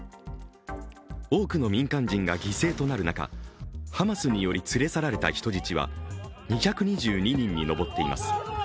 多くの民間人が犠牲となる中ハマスにより連れ去られた人質は２２２人にのぼっています。